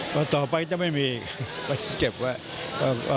ก็ต่อไปจะไม่มีอีกเจ็บแล้ว